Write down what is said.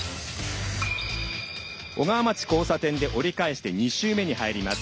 小川町交差点で折り返して２周目に入ります。